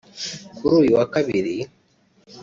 Kuri uyu wa Kabiri